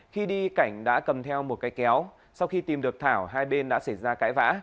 khi đi cảnh đã cầm theo một cây kéo sau khi tìm được thảo hai bên đã xảy ra cãi vã